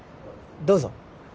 どうぞ。